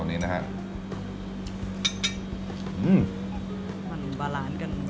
นี่นะครับนี่อะทานได้แล้ว